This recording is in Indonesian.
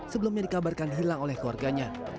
sebelumnya dikabarkan hilang oleh keluarganya